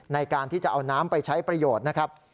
ในการที่จะเอาน้ำไปใช้ประโยชน์นะครับ